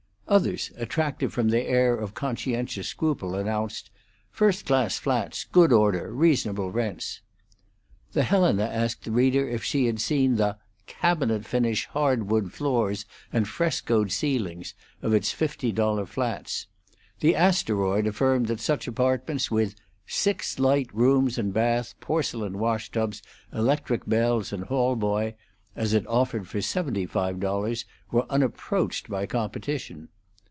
Others, attractive from their air of conscientious scruple, announced "first class flats; good order; reasonable rents." The Helena asked the reader if she had seen the "cabinet finish, hard wood floors, and frescoed ceilings" of its fifty dollar flats; the Asteroid affirmed that such apartments, with "six light rooms and bath, porcelain wash tubs, electric bells, and hall boy," as it offered for seventy five dollars were unapproached by competition.